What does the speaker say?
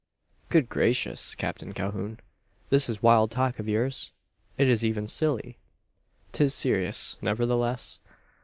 "Good gracious, Captain Calhoun! This is wild talk of yours. It is even silly!" "'Tis serious, nevertheless.